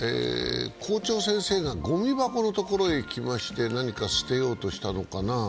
校長先生が、ごみ箱のところに来まして何か捨てようとしたのかな。